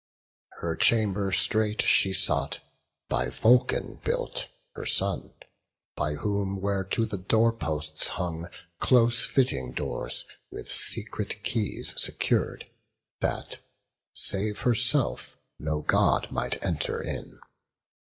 Her chamber straight she sought, by Vulcan built, Her son; by whom were to the door posts hung Close fitting doors, with secret keys secur'd, That, save herself, no God might enter in.